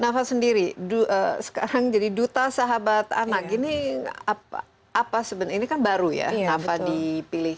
nafa sendiri sekarang jadi duta sahabat anak ini apa sebenarnya ini kan baru ya nafa dipilih